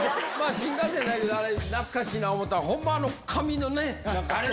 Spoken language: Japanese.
新幹線はないけど、あれ、懐かしいな思ったのは、ほんま、紙のね。